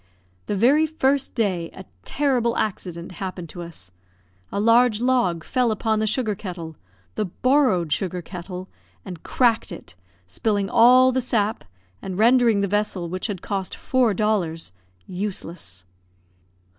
The very first day, a terrible accident happened to us; a large log fell upon the sugar kettle the borrowed sugar kettle and cracked it, spilling all the sap, and rendering the vessel, which had cost four dollars, useless.